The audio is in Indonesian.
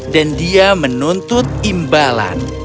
dan dia menuntut imbalan